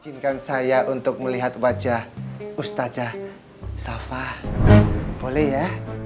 cinkan saya untuk melihat wajah ustazah safa boleh ya